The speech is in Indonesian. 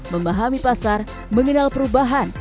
memahami pasar mengenal perubahan